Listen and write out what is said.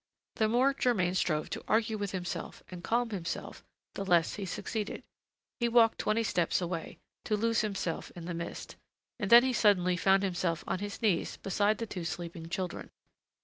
The more Germain strove to argue with himself and calm himself, the less he succeeded. He walked twenty steps away, to lose himself in the mist; and then he suddenly found himself on his knees beside the two sleeping children.